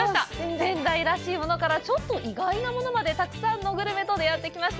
仙台らしいものからちょっと意外なものまで、たくさんのグルメと出会ってきました。